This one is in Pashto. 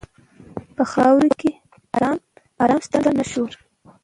په خاوره کې آرام شته، نه شور.